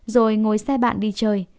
rồi ngồi xe bạn đi chơi